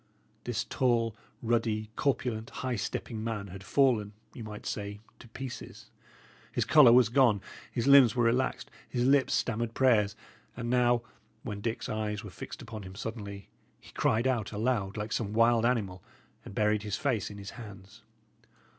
This tall, ruddy, corpulent, high stepping man had fallen, you might say, to pieces; his colour was gone, his limbs were relaxed, his lips stammered prayers; and now, when Dick's eyes were fixed upon him suddenly, he cried out aloud, like some wild animal, and buried his face in his hands.